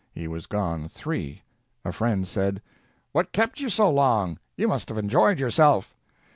He was gone three. A friend said: "What kept you so long? You must have enjoyed yourself."